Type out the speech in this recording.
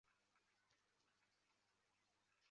自由和团结是斯洛伐克中间偏右古典自由主义政党。